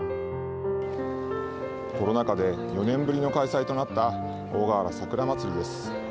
コロナ禍で４年ぶりの開催となったおおがわら桜まつりです。